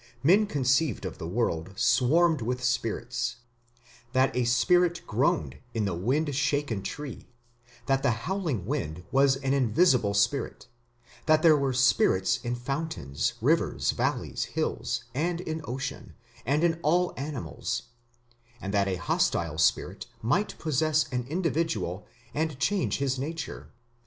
Men conceived that the world swarmed with spirits, that a spirit groaned in the wind shaken tree, that the howling wind was an invisible spirit, that there were spirits in fountains, rivers, valleys, hills, and in ocean, and in all animals; and that a hostile spirit might possess an individual and change his nature.